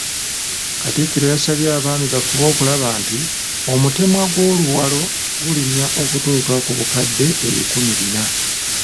Katikkiro yasabye Abaami bafube okulaba nti omutemwa gw'oluwalo gulinnya okutuuka ku bukadde ebikumi bina.